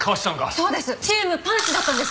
そうです！チームパンチだったんです！